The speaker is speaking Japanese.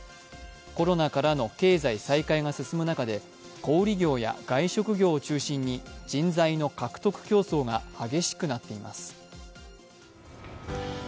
コロナからの経済再開が進む中で小売業や外食業を中心に人材の獲得競争が激しくなっています。